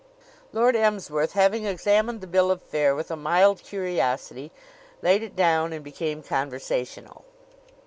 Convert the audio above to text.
Lord Emsworth, having examined the bill of fare with a mild curiosity, laid it down and became conversational.